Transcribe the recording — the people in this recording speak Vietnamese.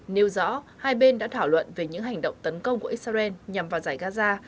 nêu rõ hai bên đã thảo luận về những hành động tấn công của israel nhằm vào giải gaza